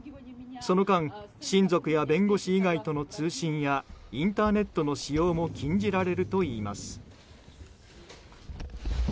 その間親族や弁護士以外との通信やインターネットの使用も禁じられるといいます。